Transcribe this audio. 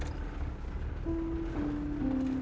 pusimu mbak ambe ini